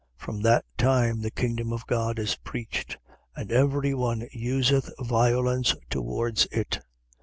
From that time the kingdom of God is preached: and every one useth violence towards it.